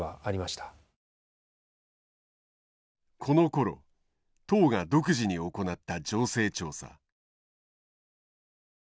このころ党が独自に行った情勢調査。